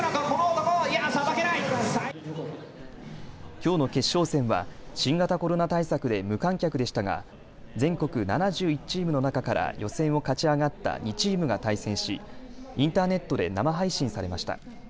きょうの決勝戦は新型コロナ対策で無観客でしたが全国７１チームの中から予選を勝ち上がった２チームが対戦しインターネットで生配信されました。